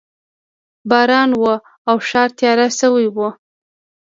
باران و او ښار تیاره شوی و